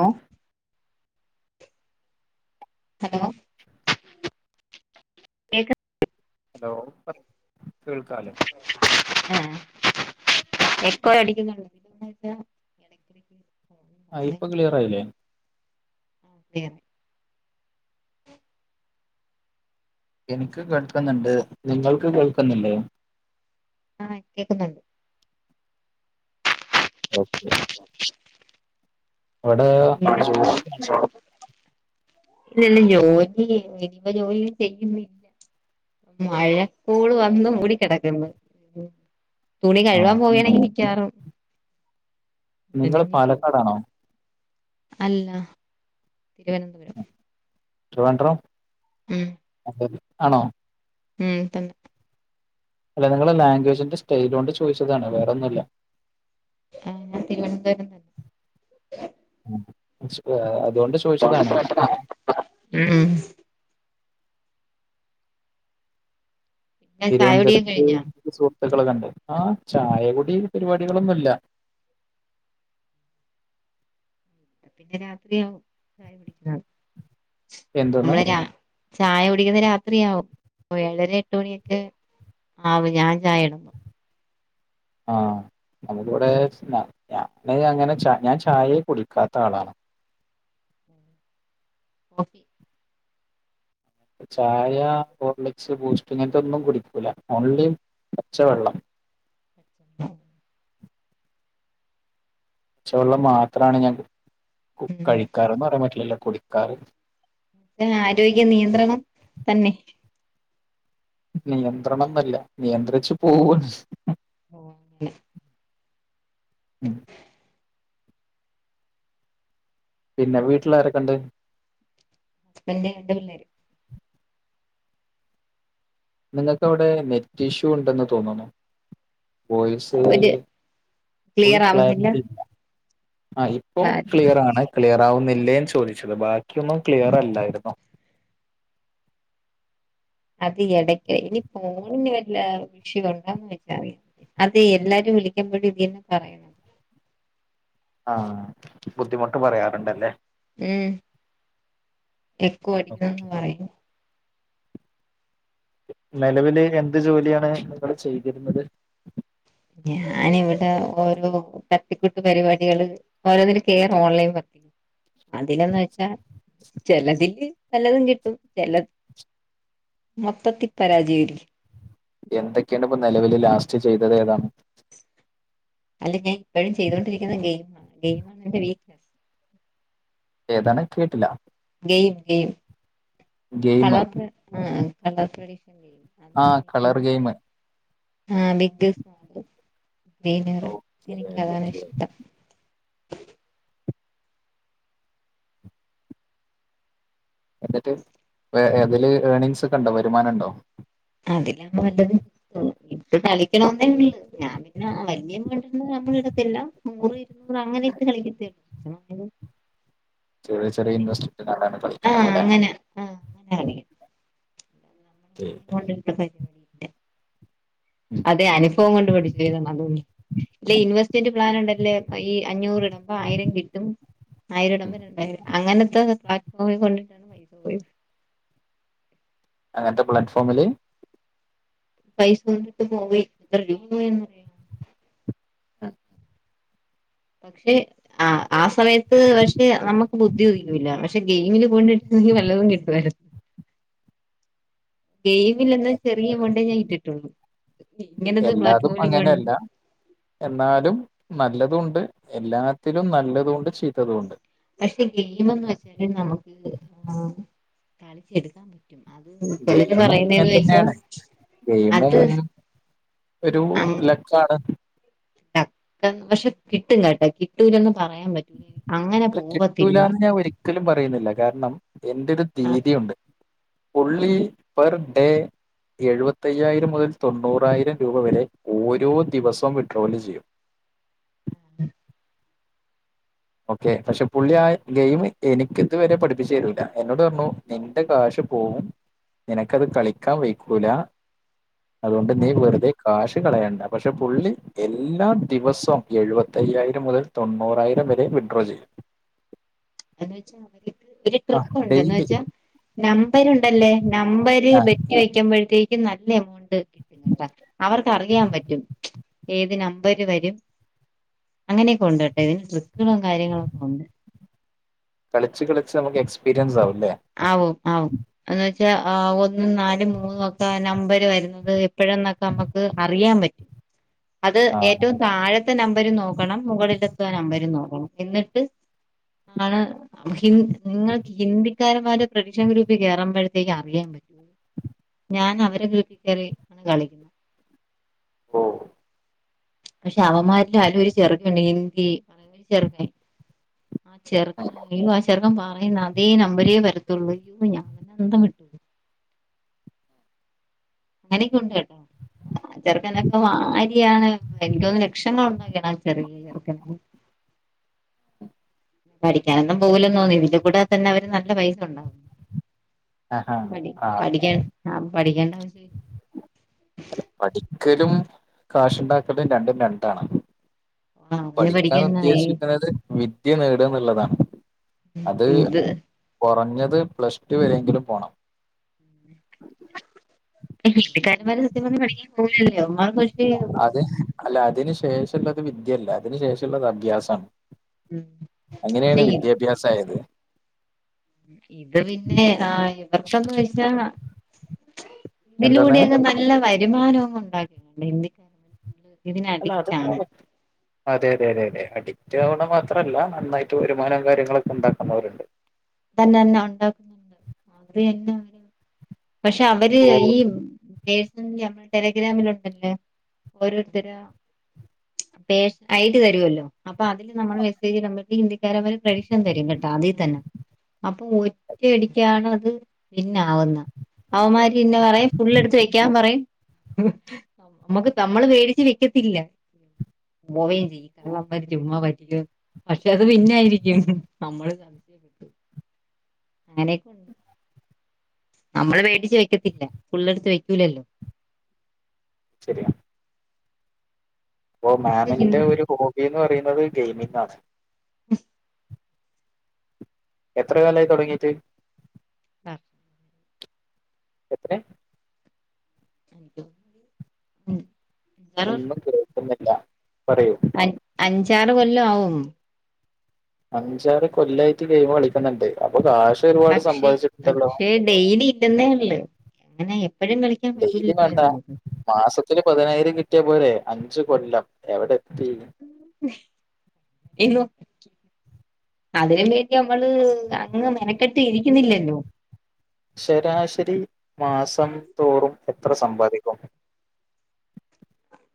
ഹ. Hello. [inaudible] Cake hello പറി കേൾക്കാലോ. ആഹ എക്കോ അടിക്കുന്നു [unintelligible] [unintelligible] ആ ഇപ്പൊ ക്ലിയറായില്ലേ? ഒകെ. എനിക്ക് കേൾക്കുന്നുണ്ട് നിങ്ങൾക്ക് കേൾക്കുന്നില്ലേ? ആഹ് കേൾക്കുന്നുണ്ട്. ഓക്കെ. [inaudible] അവിടെ ജോലിയിലാണോ [unintelligible] ഇല്ലല്ല ജോലി ഇപ്പ ജോലി ചെയ്യുന്നി മഴക്കൂള് വന്ന് മൂടിക്കിടക്ക്ന്ന് തുണി ആ കഴ്കാൻ പോവണെങ്കിൽ നിങ്ങൾ [unintelligible] പാലക്കാടാണോ അല്ല തിരുവനന്തപുരം. ട്രിവാൻഡ്രം. ഉം [inaudible] ആണോ ഉം തന്നെ അല്ല നിങ്ങള ലാംഗ്വേജിന്റെ സ്റ്റൈല കൊണ്ട് ചോദിച്ചതാണ് വേറെൊന്നുമല്ല. ആ ഞാ തിരുവനന്തപുര തന്നെ [unintelligible] [unintelligible] അതുകൊണ്ട്. തൊണ്ട ചോദിച്ചതാണ് ശ്രേഷതാണ് ഉം പിന്നെ ചായ കുടിയൊക്കെ തിരുവനന്തപുരത്ത് കഴിഞ്ഞോ സുഹൃത്തുക്കള കണ്ട് ആ ചായകുടി പരിപാടികളൊന്നുല്ല. പിന്നെ രാത്രിയാവും കായ പിടിക്കുന്ന എന്തോന്ന് നമ്മളെ രാ. ചായ കുടിക്കുന്ന രാത്രിയാവും ഏയര എട്ട് മണിയൊക്കെ ആവും ഞാൻ ചായ ഇടുമ്പം ആഹ് നമ്മുക്കിവിടെ ഞാന് അങ്ങനെ ഞാൻ ചായെ കുടിക്കാത്ത ആളാണ്. ഉ. ഓഫി ചായ ഹോർലിക്സ് ബൂസ്റ്റ് ഇങ്ങനത്തെ ഒന്നും കുടിക്കൂല ഓൺലി പച്ചവെള്ളം. [unintelligible] പച്ചവെള്ളം മാത്രമാണ് ഞാൻ ഉം കഴിക്കാറ്ന്ന് പറയാൻ പറ്റില്ലല്ലോ കുടിക്കാറ്. ആരോഗ്യ നിയന്ത്രണം തന്നെ നിയന്ത്രണം എന്നല്ല നിയന്ത്രിച്ച് പോവ്ന്ന് ഓ [inaudible] ഉം [inaudible] പിന്നെ വീട്ടിലാരൊക്കെ ഉണ്ട് ഹസ്ബന്റ് രണ്ട് പിള്ളേരും നിങ്ങൾക്ക് അവിടെ നെറ്റ് ഇഷ്യൂ ഉണ്ടെന്ന് തോന്നുന്നു. യിസ് ഒരു ഫുൾ ക്ലിയർ ആവുന്നില്ല ക്ലാരിറ്റി ഇല്ല ആ [unintelligible] ഇപ്പോൾ ക്ലിയറാണ് ക്ലിയർ ആവുന്നില്ലേന്ന് ചോദിച്ചത് ബാക്കിയൊന്നും ക്ലിയർ അല്ലായിരുന്നു അത് ഇടയ്ക്ക് ഇനി ഫോണിന് വല്ല വിഷയം ഉണ്ടാന്ന് വെച്ചാറിയാം അതെ എല്ലാരും വിളിക്കുമ്പഴും ഇതി തന്നെ പറയണം ആഹ ബുദ്ധിമുട്ട് പറയാറുണ്ടല്ലേ ഉം എക്ക അടിക്കണംന്ന് പറയ് നെലവില് എന്ത് ജോലിയാണ് നിങ്ങൾ ചെയ്തിരുന്നത് ഞാനിവിടെ ഓരോ തട്ടിക്കുട്ട് പരിപാടികള് ഓരോന്നിൽ കേറ് ഓൺലൈൻ അതിന്ന് വെച്ചാൽ ചിലതില് നല്ലതും കിട്ടും ചില മൊത്തത്തിൽ പരാജയൽ എന്തൊക്കെയാണ് ഇപ്പൊ നിലവില് ലാസ്റ്റ് ചെയ്തത് ഏതാണ് അല്ല ഞാൻ ഇപ്പോഴും ചെയ്തുകൊണ്ടിരിക്കുന്ന ഗെയിമാണ് ഗെയിമാണ് എന്റെറെ [unintelligible] ഏതാണ് കേട്ടില്ല ഗെയിം ഗെയിം ഗെയിം [unintelligible] ആഹ് കളർ ഗെയിമ് ആ ബിഗ് ഗ്രീനറ് ഓക്കെ എനിക്ക് അതാണ് ഓക്കെ ഇഷ്ടം എന്നിട്ട് അതില് ഏണിങ്സ് ഒക്കെ ഉണ്ടോ വരുമാനം ഉണ്ടോ. അതിലാ നല്ലത് ഇപ്പ കളിക്കണന്നേ ഉള്ള ഞാൻ പിന്നെ വല്ിയ വ നമ്മളിടത്തില്ല നൂറ് ഇരുന്നൂറ് അങ്ങനെക്കെ കളിക്കത്തില്ലേ ചെറിയ ചെറിയ ഇൻവെർസ്റ്റിന ആണ് ആഹ് കളിക്കുന്നത് അല്ലെ അങ്ങനെ ആഹ് നന്ന ട്ട പരിപാടി അതെ അനുഭവം കൊണ്ട് പഠിച്ചു്താണ് അതണ്ട് ഇല്ല ഇൻവെസ്റ്റ്മെന്റ് പ്ലാ ഉണ്ടല്ലേ ഈ അഞ്ഞൂറ് ഇടമ്പ ആയിരം കിട്ടും. ആയിരം ഇടമ്പോ രണ്ടായിരം അങ്ങനത്തെ പല കൊണ്ടിട്ടാണ് പൈസ പോയത് അങ്ങനത്തെ പ്ലാറ്റ്ഫോമില് പൈസ കൊണ്ടിട്ട് പോവ ഇത്ര രൂന്ന്റ [unintelligible] ആഹ പക്ഷെ ആഹ് ആ സമയത്ത് പക്ഷെ നമുക്ക് ബുദ്ധി ഉദിക്കുന്നില്ല പക്ഷെ ഗെയിമില് പോണ്ടിട്ടനിക്ക് വല്ലതും കിട്ടുവാരു ഗെയിമിൽെനിന്ന് ചെറിയ എമൗണ്ടേ കിട്ടുള്ളൂ ഇങ്ങനെത് എല്ലാതും അങ്ങനെയല്ല [unintelligible] എന്നാലും നല്ലത ഉണ്ട് എല്ലാത്തിലും നല്ലതൊണ്ട് ചെയീത്തതൊണ്ട് പക്ഷെ ഗെയിംന്ന് വെച്ചാല് നമുക്ക് തളിച്ചെടുക്കാൻ പറ്റും [unintelligible] അത്ലത് ഗെയിമും അങ്ങനെ പറയുന്നന്ന് വെച്ച തന്നെയാണ് ഗെയിമും അത് [inaudible] ഒരു അങ് ലക്കാണ്. പക്ഷെ കിട്ടും കേട്ടാ കിട്ടൂലന്ന് പറയാൻ പറ്റും അല്ല കിട്ടൂലന്ന് ഞാൻ ഒരിക്കലും പറയുന്നില്ല. കാരണം എന്റെറ ഒരു ആഹ് തീതിഉണ്ട് ഒൻള്ളി പർ ഡേ എഴുപത്തയ്യായിരം മുതൽ തൊണ്ണൂറായിരം രൂപ വരെ ഓരോ ദിവസവും വിഡ്രോവല് ചെയ്യും ഉം ഓക്കെ പക്ഷെ പുള്ളി ആ ഗെയിമ് എനിക്ക് ഇതുവരെ പഠിപ്പിച്ചേരൂല്ല എന്നോട് പറഞ്ഞു എൻ്റെ കാശ് പോവും നിനക്കത് കളിക്കാൻ വൈക്കൂല അതൊണ്ട് നീ ആഹ് വെറുതെ കാശ് കളയണ്ട പക്ഷെ പുള്ളി എല്ലാ ദിവസം എഴുപത്തയ്യായിരം മുതൽ തൊണ്ണൂറായിരം വ രെ വിഡ്രോ ചെയ്യും എന്ന് വെച്ചാ അവർക്ക് ഒരു ആ ട്രിക്കുണ്ടന്ന് ഡെയിലി വെച്ചാ നമ്പരുണ്ടല്ലേ നമ്പര് ആ വെ ക്കുമ്പഴത്തേക്കും നല്ല എമൗണ്ട് കി കിട്ടട്ടെ അവർക്കറിയാപറ്റും ഏത് നമ്പര് വരും അങ്ങനെയൊക്കെ ഉണ്ട് കെട്ടോ ഇതിന് ട്രിക്കുകളും കാര്യങ്ങളും ഉണ്ട് കളിച്ച് കളിച്ച് നമുക്ക് എക്സ്പരിയൻസ് ആവുംലേ ആവും ആവും എന്ന് വെച്ചാ ആ ഒന്നും നാലും മൂന്നും ഒക്കെ നമ്പര് വരുന്നത് എപ്പഴെന്നൊക്കെ അമ്മക്ക് അറിയാൻ പറ്റും അത് ആ ഏറ്റവും താഴത്തെ നമ്പരും നോക്കണം മുകളിലത്ത നമ്പരും നോക്കണം എന്നിട്ട് ആണ് ഹിന്ദ് നിങ്ങൾക്ക് ഹിന്ദി ക്കാരമ്മാര് പ്രടിക്ഷൻ ഗ്രൂപ്പ് കേറുമ്പഴത്തേക് അറിയാൻ പറ്റും ഞാൻ അവരെ ഗ്രൂപ്പിക്കേറി ആണ് കളിക്കു ഓ പക്ഷെ അവമ്മാരില് അയില് ഒരു ചെറുകണ്ട് ഹിന്ദി അതാണ് ചെറുക്കൻ ആ ചെറുക്കനയ്യോ ആ ചെറക്കൻ പറയുന്ന അതേ നമ്പരേ വരത്തുള്ളൂ അയ്യോ ഞാൻതന്നെ അന്തം വിട്ടു അങ്ങനെക്കെ ഉണ്ട് കേട്ടോ ചെറുക്കനൊക്കെ വാരിയാണ് എനിക്കൊന്ന്ണു ലക്ഷങ്ങളുണ്ടാക്കി ണ് ചെറിയ ചെറുക്കൻ പഠിക്കാനൊന്നും പോകൂലെന്ന് തോന്നി ഇതി കൂടെ തന്നെ അവര് നല്ല പൈസ ഉണ്ടാവും പഠി ആ പഠിക്കാൻ ആ പഠിക്കേണ്ട ആവശ്യം ഇല്ല പഠിക്കലും കാഷുണ്ടാക്കലും രണ്ടും രണ്ടാണ് ആ അവന് പഠിക്കാന്ന് പഠിക്കുന്ന ഈ ഉദ്ദേശിക്കുന്നത് വിദ്യ നേട എന്നുള്ളതാണ് അത് ഇത് കുറഞ്ഞത് പ്ലസ്ടു വരെങ്കിലും പോണം ഹിന്ദിക്കാരന്മാര് സത്യം പറഞ്ഞ പഠിക്കാൻ പോവൂലല്ലോ അവക്ക് അത് അല്ല അതിന് ശേഷംള്ളത് വിദ്യല്ല അതിന് ശേഷള്ളത് അഭ്യാസാണ് ഉം പക്ഷെ അങ്ങനെണ് ഇ- വിദ്യാഭ്യാസായത് ഇത് പിന്നെ ആഹ് ഇവക്കന്ന് വെച്ചാ എന്താന്ന് ഇതിലൂടെക്കെ ന നല്ല വരുമാനോം ഉണ്ടാക്കുന്നുണ്ട് ഹിന്ദിക്കാ അല്ല അത്പ്പം അതെ അതെ അതെ അതെ അഡിക്റ്റ് ആവണ മാത്രല്ല നന്നായിട്ട് വരുമാനം കാര്യങ്ങളൊക്കെ ഉണ്ടാക്കുന്നവരുണ്ട് തന്നെ എന്നെ ഉണ്ടാകുന്നത് [unintelligible] പക്ഷെ അവര് ഓ ഈ [unintelligible] നമ്മളെ ടെലിഗ്രാമിലുണ്ടല്ലേ ഓരോരുത്തരും പേര് അയിഡി വരുവല്ലോ അപ്പൊ അതില് നമ്മള് മെസ്സേജ് ഇടമ്പക്ക് ഹിന്ദിക്കാരെമാര് പ്രടിക്ഷൻ തരും കെട്ടാ അതിൽ തന്നെ അപ്പൊ ഒറ്റയടിക്കാണ് അത് പിന്നാവുന്ന അവന്മാരിന്നെ പറയും ഫുള്ള് എടുത്ത് വെക്കാൻ പറയും നമ്മുക്ക് തമ്മള് പേടിച്ച് വിക്കത്തില്ല പോവേം ചെയ്യും ചുമ്മാ പൈസ ര് പക്ഷെ അത് പിന്നായിരിക്കും നമ്മള് കാ ങ്ങനെ നമ്മള് പേടിച്ച് വെക്കത്തില്ല ഫുള്ളടുത്ത് വെക്കൂലല്ലോ ശരിയാ അപ്പോ മാമിന്റെ ഒരു ഹോബിന്ന് പറയുന്നത് ഗെയിമിംഗാണ് ഉം എത്ര കാലായി തുടങ്ങീട്ട് ആഹ് എത്രെ ഉം ഉം ഒന്നും കേക്കുന്നില്ല പറയൂ അ അഞ്ചാറു കൊല്ലം ആവും അഞ്ചാറ് കൊല്ലായിട്ട് ഗെയിം കളിക്കുന്നുണ്ട് അപ്പൊ കാഷ് ഒരുപാട് സമ്പാദിച്ചിട്ടുണ്ടല്ലോ ഡയ്ലി ഇല്ലന്നേ ഉള്ളൂ അങ്ങനെ എപ്പോഴും കളി ഡെയിലി വേണ്ട മാസത്തില് പതിനായിരം കിട്ടിയ പോലെ അഞ്ചു കൊല്ലം എവിടെ എത്തി എല്ലോ അതിന് വേണ്ടി നമ്മളെ അങ്ങ് മെനക്കെട്ട് ഇരിക്കുന്നില്ലല്ലോ ശരാശരി മാസം തോറും എത്ര സമ്പാദിക്കും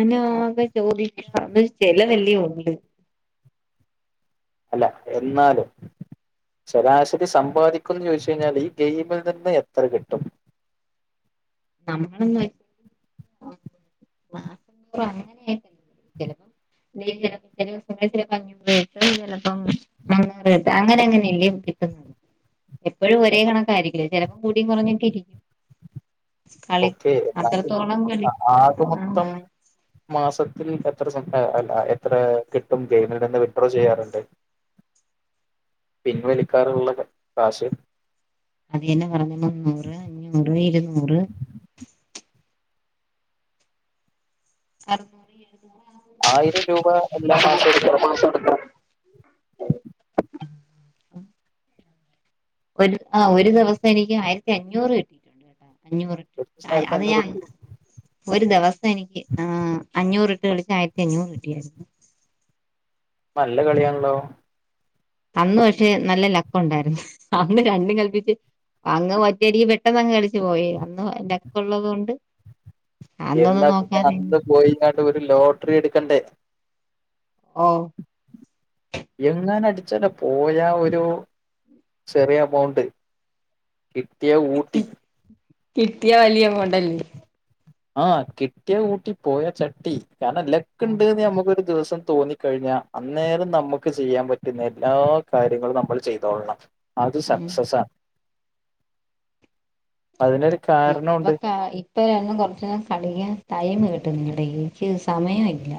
അനോക്കെ ചോദിച്ച ചിലവല്ലേണ്ട് അല്ല എന്നാലും ശരാശരി സമ്പാദിക്കുന്ന് ചോദിച്ചു കഴിഞ്ഞാൽ ഈ ഗെയിമിൽ നിന്ന് എത്ര കിട്ടും നമ്മളന്ന് [unintelligible] അങ്ങനെ [unintelligible] [unintelligible] അങ്ങനെ എങ്ങനെയല്ല കിട്ടുന്ന എപ്പോഴും ഒരേ കണക്കായിരിക്കില്ല ച ചെലപ്പം കൂടിയും കുറഞ്ഞൊക്കെ ഇരിക്കും കളി ഓക്കെ എന്നാലും അത്രത്തോളം കളിച്ച ആകെ ആ മൊത്തം മാസത്തിൽ എത്ര സം അല്ല എത്ര കിട്ടും ഗെയിമിൽ നിന്ന് വിഡ്രോ ചെയ്യാറുണ്ട് പിൻവലിക്കാറുള്ള കാശ് അതന്നെ പറഞ്ഞ മുന്നൂറ് അഞ്ഞൂറ് ഇരുന്നൂറ് ആഹ് ആയിരം രൂപ എല്ലാ മാസം എടുക്ക ആ ഒരു ഒരു ആ ഒരു ദിവസം എനിക്ക് ആയിരത്തി അഞ്ഞൂറ് കിട്ടി [unintelligible] അഞ്ഞൂറ് ആഹ് ആയിരത്തി അത് അഞ്ഞൂറ് ഞാൻ കിട്ടി ഒരു ദിവസം എനിക്ക് ആഹ് അഞ്ഞൂറ് ഇട്ട് കളിച്ച ആയിരത്തി അഞ്ഞൂറ് കിട്ടിയാരുന്നു നല്ല കളിയാണല്ലോ അന്ന് പക്ഷെ നല്ല ലക്കുണ്ടായിരുന്നു അന്ന് രണ്ടും കല്പ്പിച്ച് അ അങ്ങ് ഒറ്റയടി പെട്ടെന്നങ് അടിച്ചു പോയി അന്ന് ലക്കുള്ളതുകൊണ്ട് എന്നാ പിന്നെ അന്ന് പോയികാട്ട് ഒരു ലോട്ടറി എടുക്കണ്ടേ ഓഹ്‌ എങ്ങനും അടിച്ചാലോ പോയ ഒരു ചെറിയ എമൗണ്ട് കിട്ടിയാ ഊട്ടി കിട്ടിയാ വലിയ എമൗണ്ട്ല്ലേ ആഹ് കിട്ടിയ കൂട്ടി പോയ ചട്ടി കാരണം ആ ലെക്ക്ണ്ട്ന്ന് നമുക്കൊരു ദിവസം തോന്നി കഴിഞ്ഞാ അന്നേരം നമുക്ക് ചെയ്യാൻ പറ്റുന്ന എല്ലാ കാര്യങ്ങളും നമ്മൾ ചെയ്തോളണം അത് ഉം സക്സസാണ് അതിനൊരു ഇപ്പൊ കാരണമുണ്ട് ക ഇപ്പ എങ്ങു കൊർച്ച് നേരം കളിയാ ടൈം കിട്ടുന്നില്ല ഡെയിലി. ആഹാ സമയവില്ല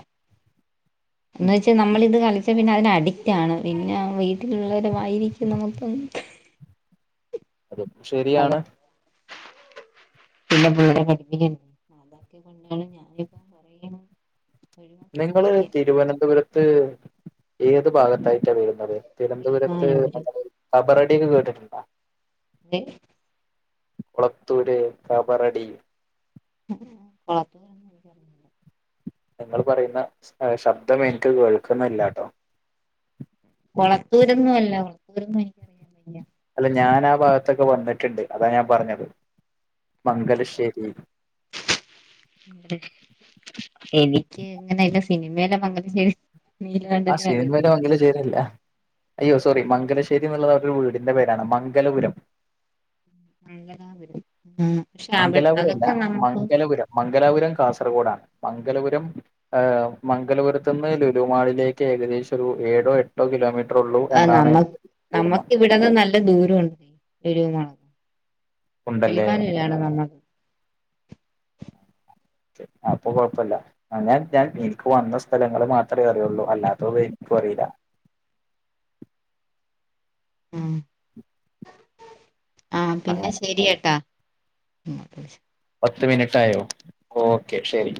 [inaudible] ഉം എന്നച്ച് നമ്മളിന്ന് കളിച്ച. [unintelligible] പിന്നെ അയന് അഡിക്റ്റാണ്. പിന്നെ വീട്ടിലുള്ളവരുമായി [unintelligible] അതും അത ശരിയാണ് പിന്നെ കൂടെ പഠിപ്പിക്കലും അതൊക്കെ കൊണ്ടാണ് ഞാനിപ്പോ നിങ്ങള് തിരുവനന്തപുരത്ത് ഏത് ഭാഗത്തായിട്ടാണ് വരുന്നത് തിരുവനന്തപുരത്ത് കിളിമാനോ ഒരു [unintelligible] കബറഡിന്നു കേട്ടിട്ടുണ്ടോ അതെ കുളത്തൂര് കബറടി [unintelligible] എനിക്കറിഞ്ഞൂടാ നിങ്ങൾ പറയുന്ന ശബ്ദം എനിക്ക് കേൾക്കുന്നില്ലാട്ടോ. കൊളത്തൂരൊന്നും അല്ല. [unintelligible] വയ്യ അല്ല ഞാനാ ഭാഗത്തൊക്കെ വന്നിട്ടുണ്ട്. അതാ ഞാൻ പറഞ്ഞത്. മംഗലശ്ശേരി, എനിക്ക് ഇങ്ങനെ ഇല്ല സിനിമേലേ മംഗലശേരി, ആ സിനിമലോ [unintelligible] അയ്യോ സോറി മംഗലശ്ശേരി എന്നുള്ളത് അവരുടെ വീടിൻന്റെ പേരാണ് മംഗലപുരം. [unintelligible] [unintelligible] മംഗലാപുരം അല്ല അതൊക്കെ നമുക്ക്, മംഗലപുരം മംഗലാപുരം കാസർഗോഡാണ്. മംഗലപുരം, ഏഹ് മംഗലപുരത്തുന്ന് ലുലുമാളിലേക്ക് ഏകദേശം ഒരു ഏഴോ എട്ട് ഒരു കിലോമീറ്ററുള്ളു എന്നാണ് എന്റെരു ഓർമ്മ. അത് നല്ല ദൂരമുണ്ട് ലുലുമാള്. ഉണ്ടല്ലേ കിളിമാനുരാണ് നമ്മള്. അപ്പൊ കൊഴപ്പല്ല. അൻ ഞാൻ എനിക്ക് വന്ന സ്ഥലങ്ങൾ മാത്രമേ അറിയുള്ളൂ. അല്ലാ തോ എനിക്കു അറീല്ല. ഉം. ആ പിന്നെ ശരിയേട്ടാ. പത്ത് മിനിട്ടായോ ഓക്കെ ശരി.